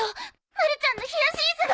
まるちゃんのヒヤシンスが。